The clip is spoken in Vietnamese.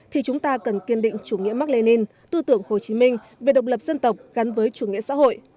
thì chúng ta cần kiên định chủ nghĩa mạc lê ninh tư tưởng hồ chí minh về độc lập dân tộc gắn với chủ nghĩa xã hội